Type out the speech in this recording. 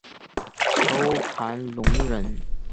周盘龙人。